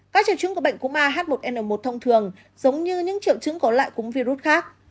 các triều chứng của bệnh cúm ah một n một thông thường giống như những triều chứng có loại cúm virus khác